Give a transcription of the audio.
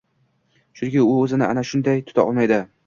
chunki u o‘zini ana shunday tuta olmaydi